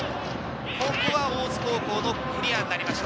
ここは大津高校のクリアになりました。